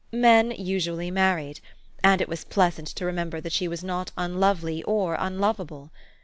Men usually married. And it was pleasant to remember that she was not unlovely or unlovable.